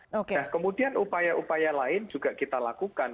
nah kemudian upaya upaya lain juga kita lakukan